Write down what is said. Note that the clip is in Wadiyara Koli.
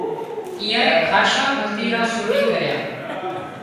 اينئائي کاشان متيران سوري ڪريان